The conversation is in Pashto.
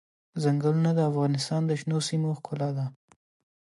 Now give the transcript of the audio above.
ځنګلونه د افغانستان د شنو سیمو ښکلا ده.